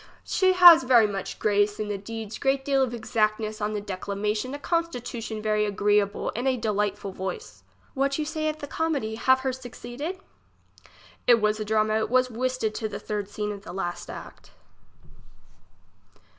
She has very much grace in the deeds great deal of exactness on the declamation, a constitu tion very agreable, and a delightful voice. What you say of the comedy ? Have her suc ceded ? It was a drama ; it was whistted to the third scene of the last act.